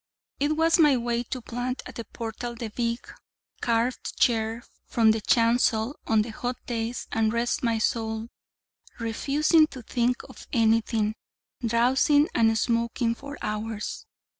It was my way to plant at the portal the big, carved chair from the chancel on the hot days, and rest my soul, refusing to think of anything, drowsing and smoking for hours.